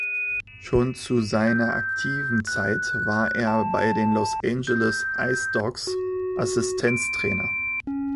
Schon zu seiner aktiven Zeit war er bei den Los Angeles Ice Dogs Assistenztrainer.